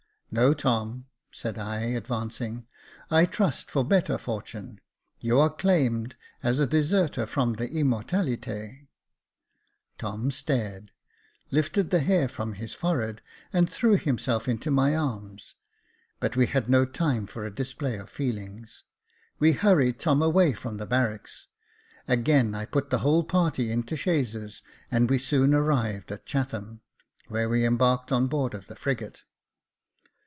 No, Tom," said I, advancing ;I trust for better fortune. You are claimed as a deserter from the ImmortaliteP Tom stared, lifted the hair from his forehead, and threw himself into my arms : but we had no time for a display of feelings. We hurried Tom away from the barracks ; again I put the whole party into chaises, and we soon arrived at Chatham, where we embarked on board of the frigate.